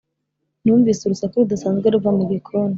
numvise urusaku rudasanzwe ruva mu gikoni.